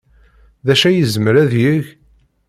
D acu ay yezmer ad yeg?